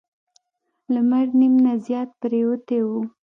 لمر نیم نه زیات پریوتی و.